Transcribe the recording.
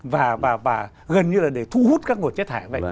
và gần như là để thu hút các nguồn chất thải